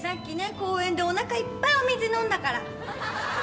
公園でおなかいっぱいお水飲んだから。